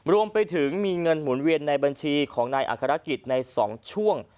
รวมไปถึงมีเงินหมุนเวียนในบัญชีของนายอัครกิจใน๒ช่วง